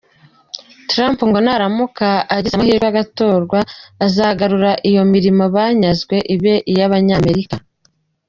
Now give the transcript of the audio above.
Trump ngo naramuka agize amahirwe agatorwa, azagarura iyo mirimo banyazwe ibe iy’Abanyamerika.